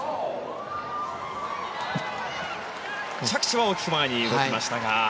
着地は大きく前に動きましたが。